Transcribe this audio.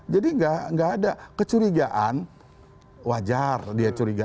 jadi tidak ada kecurigaan wajar dia curiga